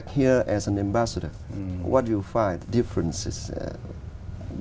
để xây dựng liên hệ thống thủy với việt nam